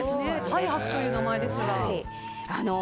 太白という名前ですが。